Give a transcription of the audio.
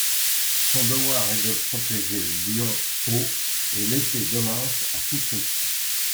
Son devoir est de protéger Lion-O et l'épée d’Omens à tous prix.